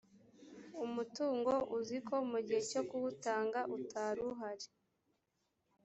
umutungo uzi ko mu gihe cyo kuwutanga utaruhari